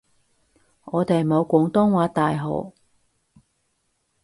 我哋冇廣東話大學